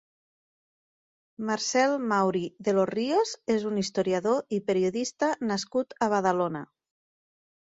Marcel Mauri de los Rios és un historiador i periodista nascut a Badalona.